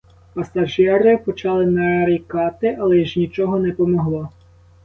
Пасажири почали нарікати, але ж нічого не помогло.